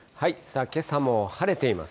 けさも晴れています。